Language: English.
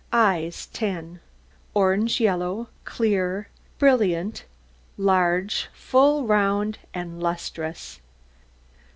EYES 10 Orange yellow, clear, brilliant, large, full, round, and lustrous.